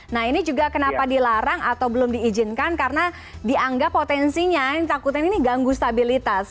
nah ini juga kenapa dilarang atau belum diizinkan karena dianggap potensinya yang ditakutkan ini ganggu stabilitas